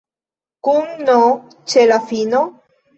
Kun n ĉe la fino?